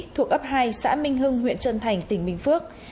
thuộc ấp hai xã minh hưng huyện trân thành tỉnh bình phước